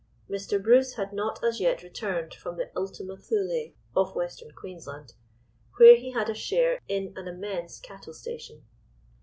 Mr. Bruce had not as yet returned from the "Ultima Thule" of Western Queensland, where he had a share in an immense cattle station.